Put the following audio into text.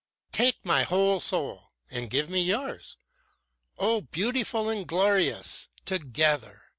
Take my whole soul and give me yours! Oh, beautiful and glorious Together!